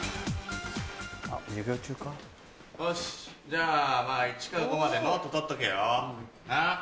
じゃあ１から５までノート取っとけよ。なぁ？